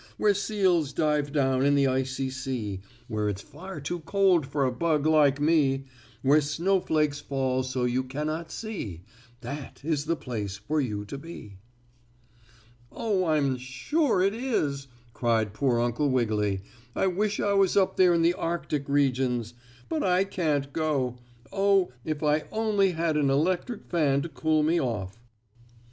"Where seals dive down in the icy sea, Where it's far too cold for a bug like me, Where snowflakes fall so you cannot see, That is the place for you to be." "Oh, I'm sure it is," cried poor Uncle Wiggily. "I wish I was up there in the Arctic regions. But I can't go. Oh, if I only had an electric fan to cool me off!"